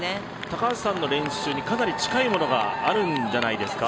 高橋さんの練習にかなり近いものがあるんじゃないんでしょうか。